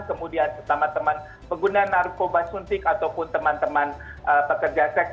kemudian teman teman pengguna narkoba suntik ataupun teman teman pekerja seks